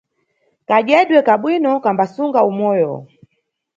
Kadyedwe ka bwino kambasunga umoyo.